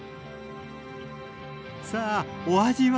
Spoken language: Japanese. さあお味は？